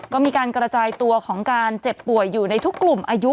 ก็มีการกระจายตัวของการเจ็บป่วยอยู่ในทุกกลุ่มอายุ